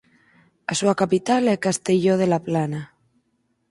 A súa capital é Castelló de la Plana.